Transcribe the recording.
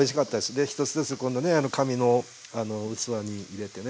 で一つ一つこんなね紙の器に入れてね。